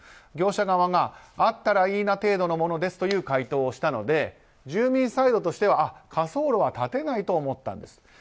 業者側が、あったらいいな程度のものですという回答をしたので住民サイドとしては火葬炉は建てないと思ったんですと。